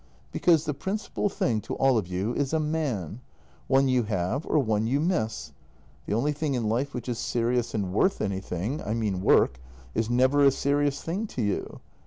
Because the principal thing to all of you is a man — one you have or one you miss. The only thing in life which is serious and worth anything — I mean work — is never a serious thing to you.